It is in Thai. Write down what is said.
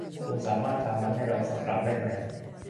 คุณสามารถทำมันให้เราสักครั้งมั้ย